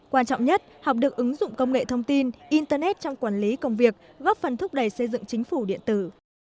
quan trọng nhất học được ứng dụng công nghệ thông tin internet trong quản lý công việc góp phần thúc đẩy xây dựng chính phủ điện tử